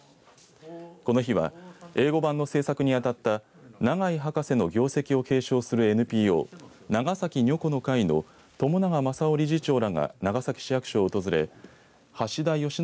この日は英語版の制作にあたった永井博士の業績を継承するＮＰＯ長崎如己の会の朝長万左男理事長らが長崎市役所を訪れ橋田慶信